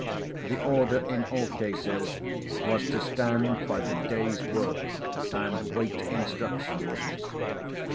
The order in all cases was to stand by the day's work and wait instructions.